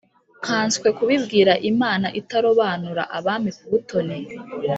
nkanswe kubibwira imana itarobanura abami ku butoni